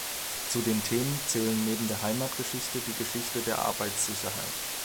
Zu den Themen zählen neben der Heimatgeschichte die Geschichte der Arbeitssicherheit.